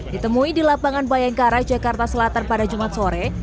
ditemui di lapangan bayangkara jakarta selatan pada jumat sore